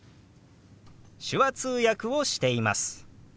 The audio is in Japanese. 「手話通訳をしています」。